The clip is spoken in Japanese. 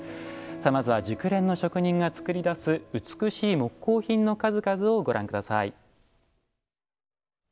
まずは熟練の職人が作り出す美しい木工品の数々をご覧ください。